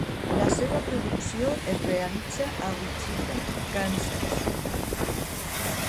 La seva producció es realitza a Wichita, Kansas.